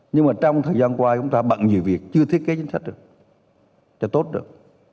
nhưng mà trong thời gian qua chúng ta bận nhiều việc chưa thiết kế chính sách được cho tốt được